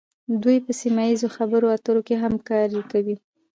دوی په سیمه ایزو خبرو اترو کې همکاري کوي